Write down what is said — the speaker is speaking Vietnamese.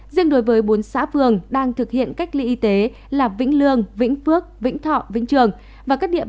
riêng đối với bốn xã phường đang thực hiện cách ly y tế là vĩnh lương vĩnh phước vĩnh thọ vĩnh trường và các địa bàn tp nha trang